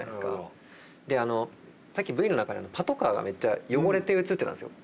であのさっきＶの中でパトカーがめっちゃ汚れて映ってたんすよ。